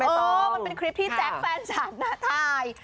ต้องมันเป็นคลิปที่แจ๊คแฟนฉันถ่าย